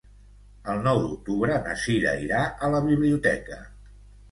El nou d'octubre na Cira irà a la biblioteca.